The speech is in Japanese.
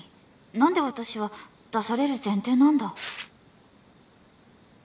何で私は出される前提なんだ